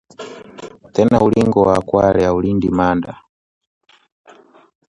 Tena ulingo wa Kwale haulindi Manda